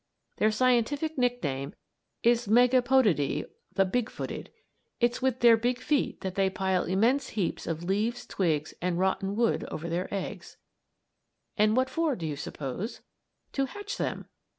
Their scientific nickname is Megapoddidae, the "big footed." It's with their big feet that they pile immense heaps of leaves, twigs, and rotten wood over their eggs. And what for, do you suppose? To hatch them!